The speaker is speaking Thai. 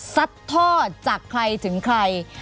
ทอดจากใครถึงใคร